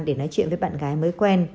để nói chuyện với bạn gái mới quen